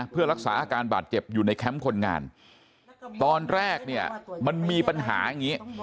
เพื่อรักษาอาการบาดเจ็บอยู่ในแคมป์คนงานตอนแรกเนี่ยมันมีปัญหาอย่างนี้